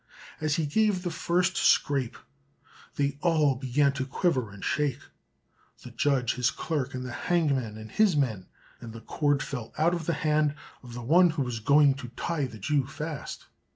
As he gave the first scrape, they all began to quiver and shake, the judge, his clerk, and the hangman and his men, and the cord fell out of the hand of the one who was going to tie the Jew fast.